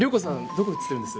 どこ写ってるんです？